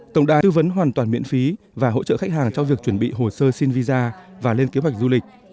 tổng đài tư vấn hoàn toàn miễn phí và hỗ trợ khách hàng cho việc chuẩn bị hồ sơ xin visa và lên kế hoạch du lịch